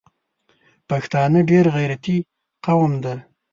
پښتانه ډېر غیرتي قوم ده